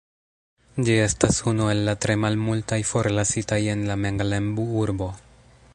Ĝi estas unu el la tre malmultaj forlasitaj en la Menglembu-urbo.